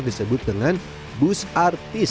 disebut dengan bus artis